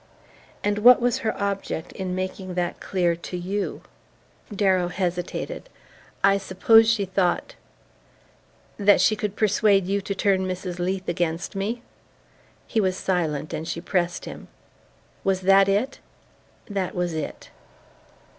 "And what was her object in making that clear to YOU?" Darrow hesitated. "I suppose she thought " "That she could persuade you to turn Mrs. Leath against me?" He was silent, and she pressed him: "Was that it?" "That was it."